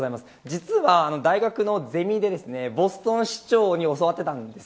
実は、大学のゼミでボストン市長に教わっていたんです。